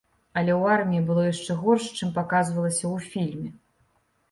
Але ў арміі было яшчэ горш, чым паказвалася ў фільме!